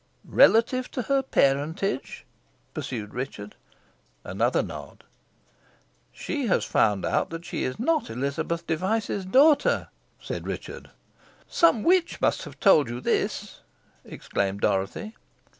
"Relative to her parentage?" pursued Richard. Another nod. "She has found out she is not Elizabeth Device's daughter?" said Richard. "Some witch must have told you this," exclaimed Dorothy.